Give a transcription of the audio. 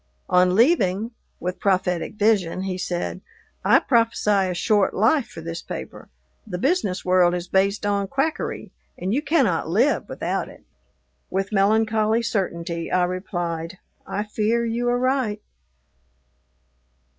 On leaving, with prophetic vision, he said, "I prophesy a short life for this paper; the business world is based on quackery, and you cannot live without it." With melancholy certainty, I replied, "I fear you are right."